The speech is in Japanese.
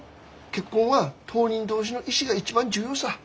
結婚は当人同士の意思が一番重要さ。